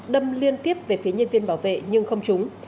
đâm liên tiếp về phía nhân viên bảo vệ nhưng không trúng